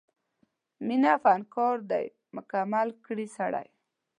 مینه فنکار دی مکمل کړي سړی